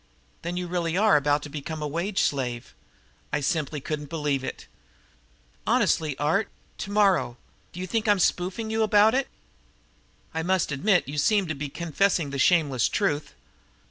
"Then you really are about to become a wage slave?" I simply couldn't believe it. "Honestly, Art. Tomorrow. Do you think I'm spoofing you about it?" "I must admit you seem to be confessing the shameless truth.